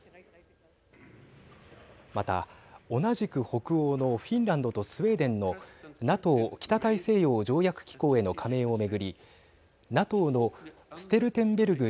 また、同じく北欧のフィンランドとスウェーデンのＮＡＴＯ＝北大西洋条約機構への加盟をめぐりＮＡＴＯのストルテンベルグ